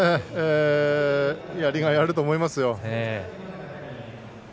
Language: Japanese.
やりがいがあると思いますよ。